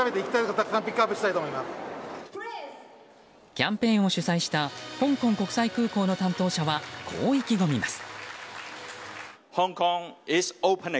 キャンペーンを主催した香港国際空港の担当者はこう意気込みます。